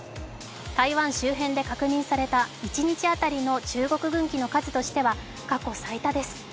台湾周辺で確認された一日辺りの中国軍機の数としては過去最多です。